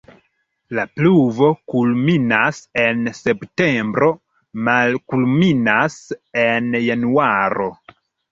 La pluvo kulminas en septembro, malkulminas en januaro.